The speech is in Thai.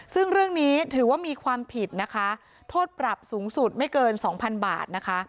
ซึ่งเรื่องนี้ถือว่ามีความผิดนะคะโทษปรับสูงสุดไม่เกินสองพันบาทนะคะ